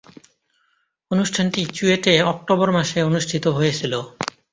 অনুষ্ঠানটি চুয়েটে অক্টোবর মাসে অনুষ্ঠিত হয়েছিলো।